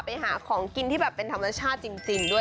ไปหาของกินที่แบบเป็นธรรมชาติจริงด้วย